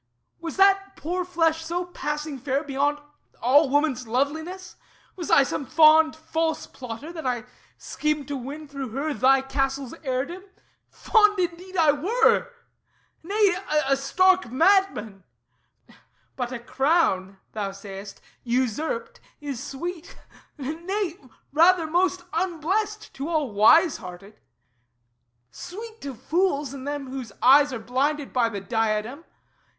Was that poor flesh so passing fair, beyond All woman's loveliness? Was I some fond False plotter, that I schemed to win through her Thy castle's heirdom? Fond indeed I were! Nay, a stark madman! "But a crown," thou sayest, "Usurped, is sweet." Nay, rather most unblest To all wise hearted; sweet to fools and them Whose eyes are blinded by the diadem.